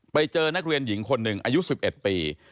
ไปเจอนักเรียนหญิงคนหนึ่งอายุ๑๑ปี